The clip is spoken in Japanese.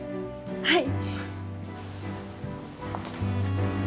はい！